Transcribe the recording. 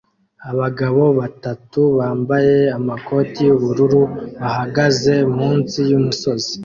Abagabo batatu bambaye amakoti yubururu bahagaze munsi yumusozi